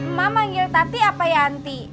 emak manggil tati apa yanti